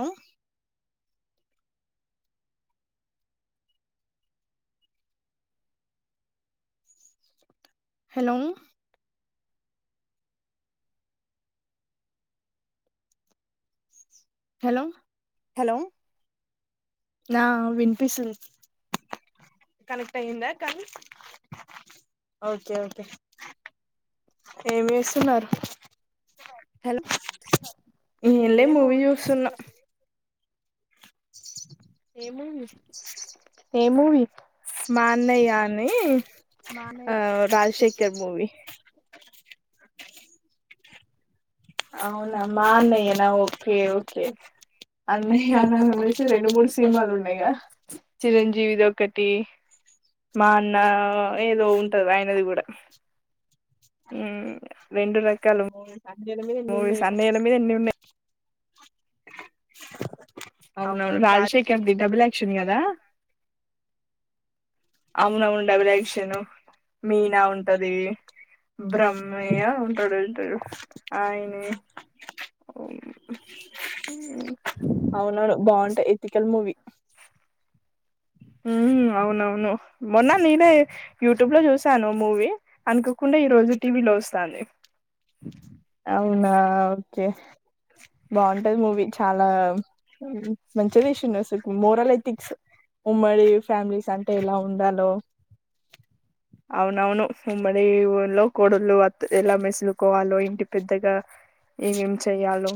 ఆ hello hello hello నా వినిపిస్తుంది కనెక్ట్ అయ్యందా కానీ ఓకే ఓకే ఏమి చేస్తున్నారు హలో ఏం మూవీ. మూవీ మాఅన్నయ్య అనీ ఆ రాజశేఖర్ మూవీ. అవునా మా అన్నయ్యనా ఓకే ఓకే అన్నయ్య అలా అనేసి రెండు మూడు సినిమాలు ఉన్నాయి కదా చిరంజీవిది ఒకటీ మా అన్నా ఏదో ఉంటది ఆయనది కూడా ఉమ్ రెండు రకాలు న్న మీద ఎన్నున్నయో అవునవును రాజశేఖర్ది డబుల్ యాక్షన్ గదా. అవున్ అవున్ డబుల్ యాక్షను మీనా ఉంటదీ బ్రహ్మయ్య ఉంటడు ఉంటడు ఆయనే అవునవును బాగుంటయి ఎథికల్ మూవీ. ఉ హు అవునవును మొన్న నేనే యూట్యూబ్ లో చూశాను మూవీ, అనుకోకుండా ఈ రోజు టీవీలో వస్తాంది. కే బాగుంటది మూవీ చాలా మంచిగ తీశిన్డు అసల్ మోరల్ ఎథిక్స్. అవునవును ఉమ్మడీ ఊళ్లో కోడళ్ళు అత్ ఎలా మెసులుకోవాలో ఇంటి పెద్దగా ఏమేం చెయ్యాలో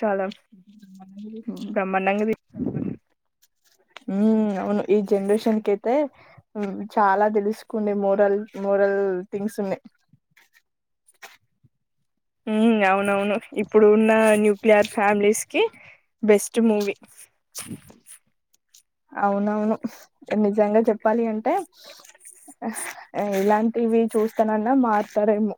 చాలా బ్రహ్మాండంగా తీ ఉ అవును ఈ జనరేషన్ కైతే చాలా తెలుసుకుడే మోరల్ మోరల్ థింగ్స్ ఉన్నాయి. అవునవును ఇప్పుడు ఉన్న న్యూక్లియర్ ఫ్యామిలీస్ కి బెస్ట్ మూవీ. అవునవును నిజంగా చెప్పాలి అంటే ఇలాంటివి చూస్తానన్నా మారుతారేమో.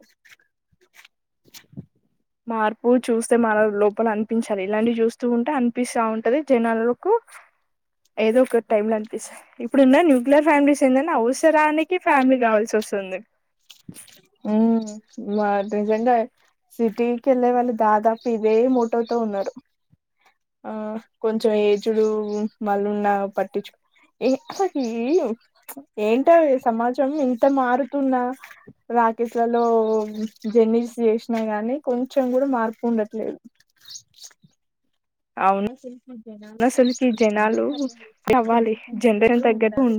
మార్పు చూ ే మన లోపల అనిపించాలి ఇలాంటివి చూస్తూ ఉంటే అనిపిస్త ఉంటది జనాలుకు ఏదో ఒక టై అనిపిస్తు ఇప్పుడున్న న్యూక్లియర్ ఫమిలీస్ ఏంద అవసరానికి ఫ్యామిలీ కావాల్సి వస్తుంది. వే మోటో త ఉన్నారు ఆ కొంచం ఏజుడు మళ న్నా పట్టించు అస ఏంట ఇ సమాజం ఇంత మారుతున్నా రాకేష్లలో జర్నీస్ చేసినా గానీ కొంచం కూడా మార్పు ఉండట్లేదు. అవునా జానాలు [unintelligible] తగ్గట్టు ఉండాలి.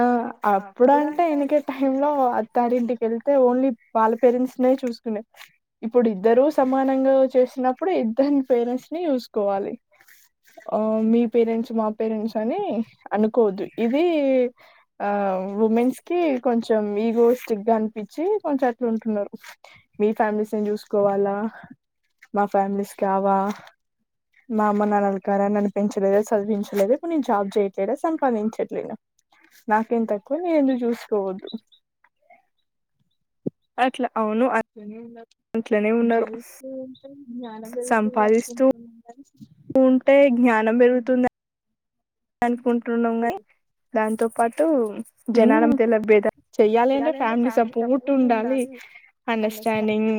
ఆ అప్పుడు అంటే వెనకే టై లో అత్తారింటికి వెళ్తే ఓన్లీ వాళ్ళ పేరెంట్స్ నే చూస్తున ఇప్పుడు ఇద్దరుూ సమానంగా చేసిన. ఇప్పుడు ఇద్దని పేరెంట్స్ ని చూసుకోవాలి ఆ మీ పేరెంట్స్ మా పేరెంట్స్ అని అనుకోద్దు ఇది. ఆ ఉమెన్స్ కి కొంచెం ఈగో స్టిక్ గా అనిపించి కొంచెం అట్లా ఉంటున్నారు, మీ ఫ్యామిలీస్ చూసుకోవాలా. మా ఫ్యామిలీస్ కావా మా అమ్మ నాన్నులకారా నన్ను పెంచలేద చదివించలేదు ఇ నేను జాబ్ చేయట్లేద సంపాదించట్లేను. నాకేన్ తక్కువ న ఎందు చూస్కోవద్దు అ అే ఇంట్లోనే ఉన్నారు జ్ఞానం పెరుగుతు ఉంటే జ్ఞానం పెరుగుతుం అనుకుం టునంగానే దాంతో కటు చెయ్యాలి అంటే ఫ్యామిలీ సపోర్ట్ ఉండాలి అండర్స్టాండింగ్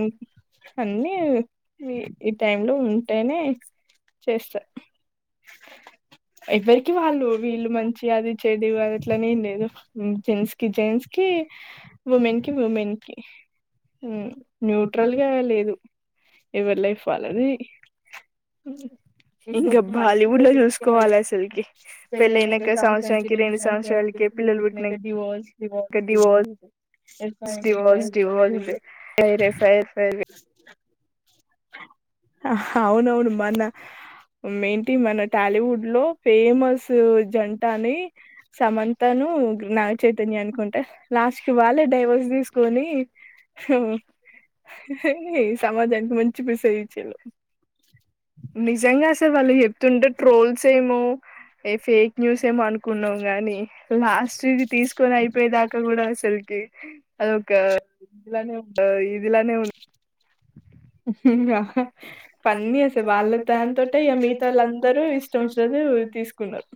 అన్నిీ ఈ ఈ టై లో ఉంటేనే చేస్తా ఎవరికి వాళ్ళు వీళ్ళు మంచి అది చెడు అ అట్లనే ఏం లేదు జెంస్ కి జెంట్స్ కి ఉమెన్ కి ఉమెన్ కి న్యూట్రల్ గా లేదు ఎవరు లైఫ్ వాళ్ళది బ కోవాల సలకి పళ్లనకు సంవత్సరంకి రెడు సంవత్సర అకి పిల్లలు పుట్టినంక డివర్స్ డైవర్స్ పిల్లలు అడుగుతే divorce divorced F. I. R file అవునవును మన ఏంటి మన టాలీవుడ్ లో ఫేమస్ జంట అని సమంతను, నాగచైతన్య అనుకుంటే. లాస్ట్ కి వాళ్ళే డైవర్స్ తీసుకొని హో ఈ సమాజానికి మెసేజ్ ఇచ్చిళ్ళు నిజంగా అసలు వాళ్ళు చెప్తుంటే ట్రోల్స్ ఏమో ఏ ఫేక్ న్యూస్ ఏమో అనుకున్నాం. గాని లాస్ట్ ఇది తీసుకొని అయిపోయేదాకా కూడా అసల్ కి అదొక ఆ ఇదిలానే ఉం ఉహు ఆహా ఫన్నీ అసాలు వాళ్ళ దాన్ తోటే ఇగా మిగత వాళ్ళ అందరూ. ఇష్టం వచ్చినది తీసుకున్నారు.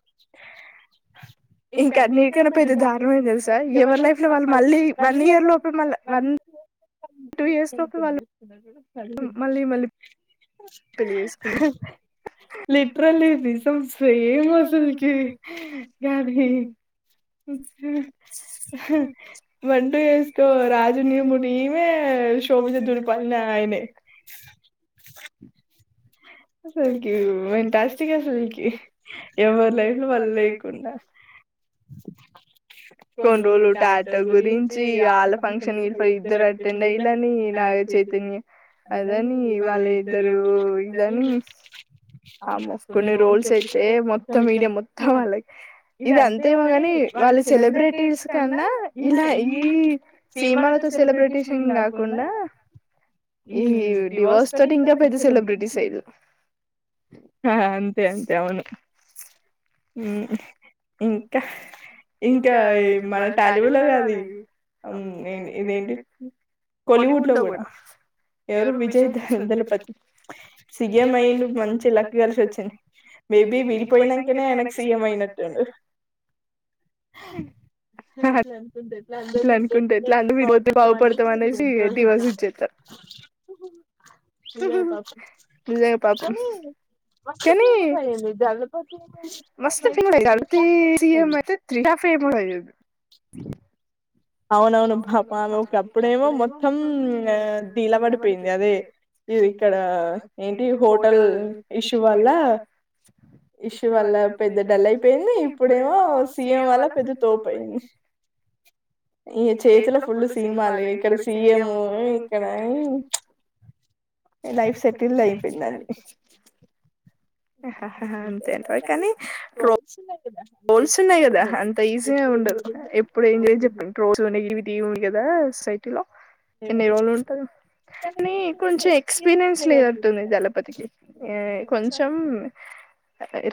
తుందిన అడిగిందా పెళ్లి చేసుకుంది. అసలకి ఫెంటాస్టిక్ అసలుకి ఎవరి లైఫ్ లో వాళ్ళు లేకుండా కొన్ని రోజులు టాటా గురించి, ఆళ్ళ ఫంక్షన్, ఇల్లా ఫంక్షన్ ఇద్దరు అటెండ్ అయ్యిల్లని, నాగ చైతన్య అదని వాళ్ళ ఇద్దరు దన్ ఆల్మోస్ట్ కొన్ని రోల్స్ అయితే మొత్తం మీడియా మొత్తం వాళ్ళయ్. ఇది అంతేమోగాని వాళ్ళ సెలబ్రిటీస్ కన్నా. ఇలా ఈ సినిమాలతో సెలబ్రిటీస్ కాకుండా ఈ డివోర్స్ తోటి ఇంకా పెద్ద సెలబ్రిటీస్ అయ్యిల్లు ఆహా అంతే అంతే అవును ఉహ్మ్ ఇంకా ఇంకా ఈ మన టాలీవుడ్ లో కాది. అహ్మ్ ఇదేంటి కోలీవుడ్ లో కూడా ఎవరు విజయ్ దల్ దళపతి ఇగే మైంది మంచి లక్ కలిసి వచ్చింది. మేబీ విడిపోయినంకనే నెక్స్ సీ. ఎం అయినట్టుండు అంటే మీరు పోతే బాగుపడతావ్ అనేసి డివర్స్ ఇచ్చేసా ఉహు నిజమే పాపం నిజమే పాపం మస్తు తిం పనింది మస్త్ ఫీల్ అయింది అవునవును పాప ఆమె ఒక అప్పుడేమో మొత్తం ీల పడిపోయింది అదే ఇక్కడ ఏంటి హోటల్ ఇష్యూ వల్ల ఇష్యూ వల్ల పెద్ద డల్ అయిపోయింది ఇప్పుడేమో సీఎం వల్ల పెద్ద తోపు అయింది ఈ చేతిలో ఫుల్ సీమాల ఇక్కడ సీయము ఇక్కడైై అంతేనీ రోజస్ ఉన్నా లేదా బోల్స్ ఉన్నాయి కదా అంత ఈజీగా ఉండదు ఎప్పుడు ఏంజాయ్ చెప్పండి రోజు ఉనే ఇవిటీవి ఉంది కదా సైట్లో ఎన్ని రోళు ఉంటారు అని కొంచెం ఎక్స్పీరియన్స్ లేదంటుంది దళపతికి కొంచెం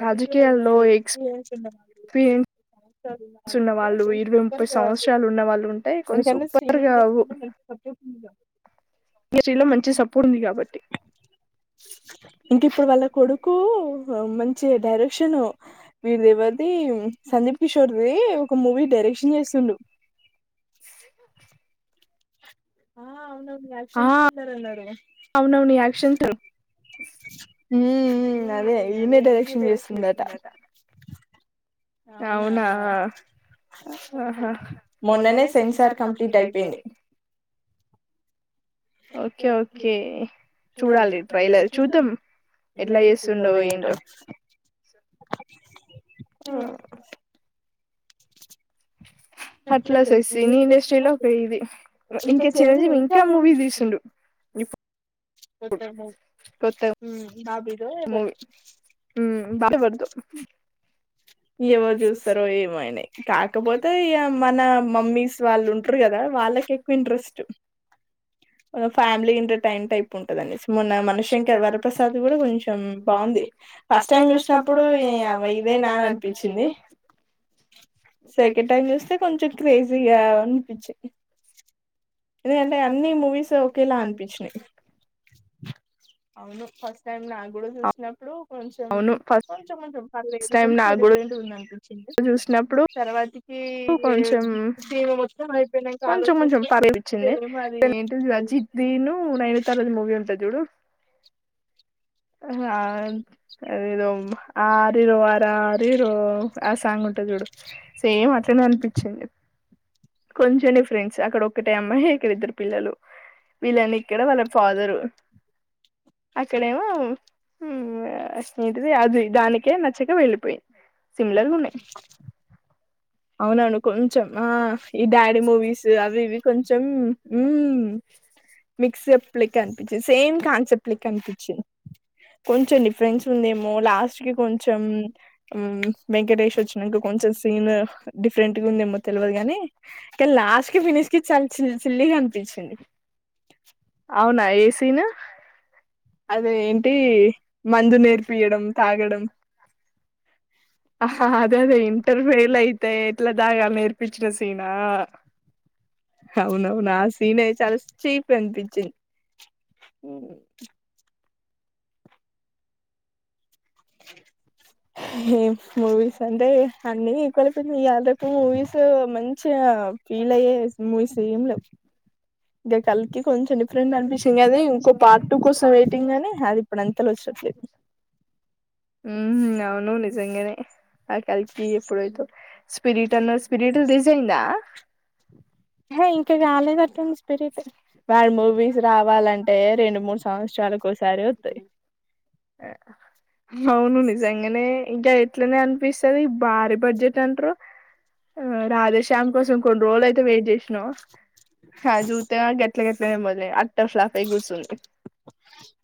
రాజకీయాల్లో ఎక్స్పీ చి స్ ఉన్న వాళ్ళు ఇరవై ముప్పై సంవత్సరాలు ఉన్న వాళ్ళు ఉంటే కొంచెం సూపర్గావ్. [inaudible] ఇడసిలో మంచి సపూడు ఉందిగ బట్టి ఇంక ఇప్పుడు వాళ్ళ కొడుకు మంచి డైరక్షను మీరు రే భట్టి సందీప్ కిషోర్ ది ఒక మూవీ డైరెక్షన్ చేస్తుండు ఆ అవున్ యాక్షన్ థ్రిల్లర్ ఆన్నారు మ్మ్ హ్మ్ అదే ఈమె డైరక్షన్ చేస్తుండు అట అవునా హ హ మొన్ననే సెన్సార్ కంప్లీట్ అయిపోయింది ఓకే ఓకే చూడాలి ట్రైలర్ చూద్దాం ఎట్లా చేస్తుండో ఏంటో మ్మ్ అట్లా సి సినీ ఇండస్ట్రీలో ఒక ఇది ఇంకా చిరంజీవి ఇంకా మూవీ తీస్తుండు అట్లా మోవ్ ఉమ్ మూవీ హ్మ బాగావద్దు ఎవరూ చూస్తారో ఏమో ఆయన వి కాకపోతే మన మమ్మీస్ వాళ్ళు ఉంటారు కదా వాళ్ళకి ఎక్కువ ఇంట్రెస్ట్ ఫ్యామిలీ ఎంటర్టైన్ టైప్ ఉంటుంది అని సి మొన్న మనశంకర్ వరప్రసాద్ కూడా కొంచెం హ్మ బాగుంది ఫస్ట్ టైం చూసినప్పుడు నియవ్వా ఇదే నా పిచ్చిది సెకండ్ టైం చూస్తే కొంచెం క్రేజీగా అనిపించి ఏమంటే అన్ని మూవీస్ ఒకేలా అనిపించినాయి్ అవును ఫస్ట్ టైం నాకు కూడా చూసినప్పుడు కొంచెం కొంచెం కొంచెం పర్లేదు కొంచం డిఫరెంట్ గా ఉందండి వచ్చిన తర్వాతి ఈ ఈమె మొత్తం కొంచెం కొంచెం ఫర్లేదుపిచింది అది ఏంటిది అజిత్ ది ఉన్ను నయనతార మూవీ ఉంటది చూడు హా అదేదో ఆ ఆరిరో ఆర ఆరిరో ఆ సాంగ్ ఉంటది చూడు సేమ్ అట్లనే అనిపించింది కొంచెం డిఫరెంట్స్ అక్కడ ఒక్కటే అమ్మాయి ఇక్కడ ఇద్దరూ పిల్లలు వీళ్ళని ఇక్కడ వాళ్ళ ఫాదరు అక్కడేమో హూ అది దానికే నచ్చక వెళ్ళిపోయింది సిమిలర్గున్నాయి అవునవును కొంచెం ఆ ఈ డాడీ మూవీస్ అవి ఇవి కొంచెం హూ మిక్స్అప్ లెక్క అనిపించింది సేమ్ కాన్సెప్ట్ లెక్క అనిపించింది కొంచెం డిఫరెన్స్ ఉందేమో లాస్ట్ కి కొంచెం హు వెంకటేష్ ఒచ్చినంక కొంచెం సీన్ డిఫరెంట్ గా ఉందేమో తెలియదు కాగాని ఇ లాస్ట్ కి ఫినిష్ కి చాలా చిల్లి సిల్లీగా అనిపించింది అవునా అదే ఏంటి మందు నేర్పియడం తాగడం అదే అదే ఇంటర్ ఫెయిల్ అయితే ఎట్లా తాగాలి నేర్పించిన సీన్ ఆ అవునవున ఆ సీన్ ఎ చాలా చీప్గా అనిపించింది అ ఏం మూవీస్ అంటే అన్ని ఈక్వల్ అయిపోయినాయి ఇయల రేపు మూవీస్ మంచిగా ఫీల్ అయ్యే మూవీస్ ఏం లేవు ఇగ కలికి కొంచెం డిఫెరెంట్ అనిపించింది గని ఇంకో పార్ట్ టూ కోసం వెయిటింగ్గని అది ఇప్పట్ల అంతలా వచ్చేట్టులే ఉహు అవును నువ్వు నిజంగానే ఆ కలికి ఎప్పుడయిందో స్పిరిట్ అన్నావ్ స్పిరిట్ రిలీజ్ అయిందా వాడి మూవీస్ రావాలంటే రెండు మూడు సంవత్సరాలకోసారే ఓస్థాది అవును నిజంగా ఇంకా ఎట్లనే అనిపిస్తుంది భారీ బడ్జెట్ అంటారు ఆ రాధశ్యామి కోసం కొన్ని రోజులు అయితే వెయిట్ చేసినాం హ జూతివితగా గట్ల గట్ల మొదలై ఆటర్ఫ్లోప్ అయ్యిగుసుందీ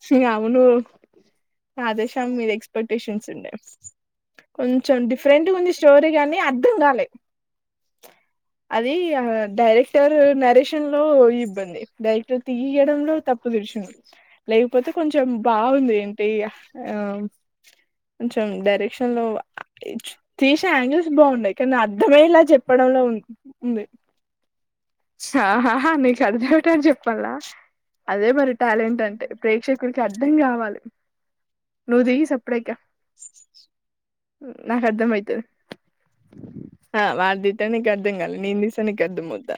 హే అవును రాధేశ్యామ్ మీద ఎక్స్పెక్టేషన్ ఉండే కొంచెం డిఫరెంట్గుంది స్టోరీ గానీ అర్థం కాలే అది డైరెక్టర్ నరేషన్ లో ఇబ్బంది డైరెక్టర్ తీయడంలో తప్పు తీసిండు లేకపోతే కొంచెం బాగుంది అంటే ఇగ ఆ కొంచెం డైరెక్షన్ లో తీసే యాంగిల్స్ బాగున్నాయి కానీ అర్థమయ్యేలా చెప్పడంలో ఉంది ఆహా హా నీకు అర్థమయ్యేటట్టు చెప్పలా అదే మరి టాలెంట్ అంటే ప్రేక్షకులకి అర్థం కావాలి నువ్వు దిగి సప్పడేక నాకు అర్థం అయితది ఆ వాడు తిత్తనే అర్ధం కాలే నేను తీస్తే నిక్ అర్థం అవ్వుదా